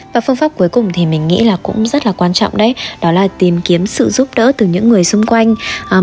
và phương pháp cuối cùng thì mình nghĩ là cũng rất là quan trọng đấy đó là tìm kiếm sự giúp đỡ từ những người xung quanh